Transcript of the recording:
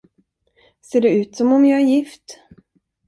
Ser det ut som om jag är gift?